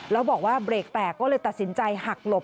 แล้วบอกว่าเบรกแตกก็เลยตัดสินใจหักหลบ